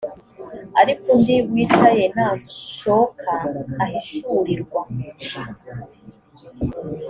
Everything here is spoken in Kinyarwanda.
ariko undi wicaye nashoka ahishurirwa